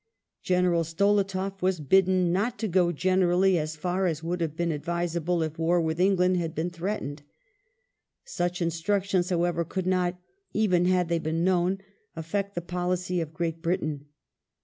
General Stolietoff" was bidden " not to go generally as far as would have been advisable if war with England had been threatened ".* Such instructions, however, could not, even had they been known, affect the policy of Great Britain.